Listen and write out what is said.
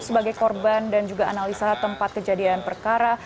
sebagai korban dan juga analisa tempat kejadian perkara